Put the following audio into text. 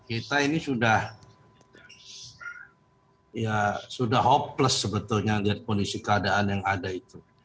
kita ini sudah hopeless sebetulnya lihat kondisi keadaan yang ada itu